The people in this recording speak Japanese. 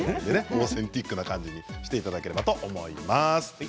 オーセンティックな感じにしていただければと思います。